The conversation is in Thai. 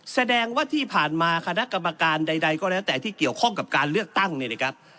แสดงว่าที่ผ่านมาคณะกรรมการใดก็แล้วแต่ที่เกี่ยวข้องกับการเลือกตั้งเนี่ยนะครับ